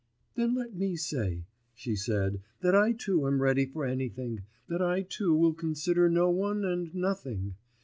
'Then let me say,' she said, 'that I too am ready for anything, that I too will consider no one, and nothing.